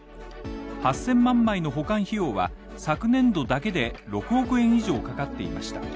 ８０００万枚の保管費用は、昨年度だけで６億円以上かかっていました。